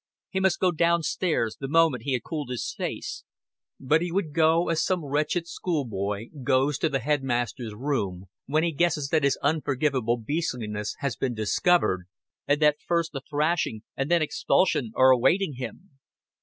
He must go down stairs the moment he had cooled his face; but he would go as some wretched schoolboy goes to the headmaster's room when he guesses that his unforgivable beastliness has been discovered, and that first a thrashing and then expulsion are awaiting him.